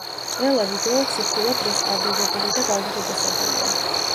ყველა ვიდეო ციფრულად რესტავრირებული და გაუმჯობესებულია.